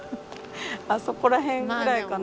あそこら辺ぐらいかな。